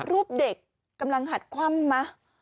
รูปเด็กกำลังหัดคว่ำไหม